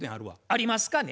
ありますかね？